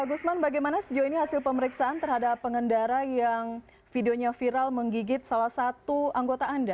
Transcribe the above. pak gusman bagaimana sejauh ini hasil pemeriksaan terhadap pengendara yang videonya viral menggigit salah satu anggota anda